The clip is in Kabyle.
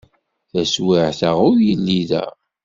Taswiɛt-a ur yelli da.